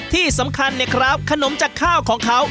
ที่สำคัญเนี่ยครับขนมจากข้าวของเขา